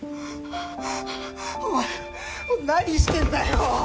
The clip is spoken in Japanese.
お前何してんだよ！